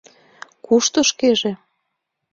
— Кушто шкеже?